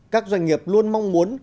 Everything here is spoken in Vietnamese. các doanh nghiệp luôn mong muốn